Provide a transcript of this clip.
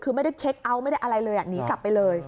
คือไม่ได้เช็คเอาท์ไม่ได้อะไรเลยหนีกลับไปเลย